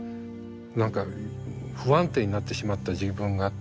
何か不安定になってしまった自分があって。